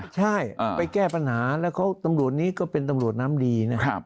ใช่ไปแก้ปัญหาแล้วตำรวจนี้ก็เป็นตำรวจน้ำดีนะครับ